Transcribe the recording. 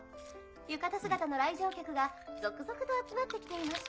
浴衣姿の来場客が続々と集まって来ています。